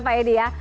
pak edi ya